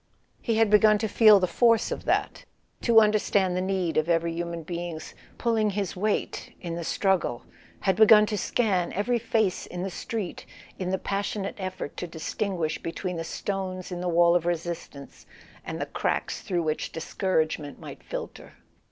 He had begun to feel the force of that, to understand the need of every human being's "pulling his weight" in the struggle, had begun to scan every face in the street in the passionate effort to distinguish between the stones in the wall of resistance and the cracks through which discouragement might filter.